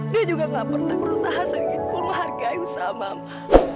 dia juga nggak pernah berusaha sedikit pun menghargai usaha mama